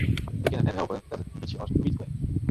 Ik kin it net helpe dat it in bytsje as in ferwyt klinkt.